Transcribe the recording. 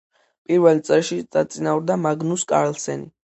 პირველ წრეში დაწინაურდა მაგნუს კარლსენი.